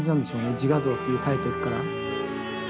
「自画像」っていうタイトルから。